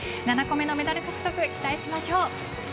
７個目のメダル獲得期待しましょう。